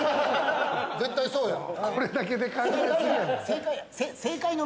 絶対そうやん。